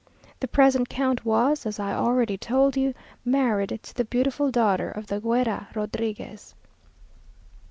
The present count was, as I already told you, married to the beautiful daughter of the _Guerra Rodriguez.